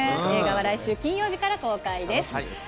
映画は来週金曜日から公開です。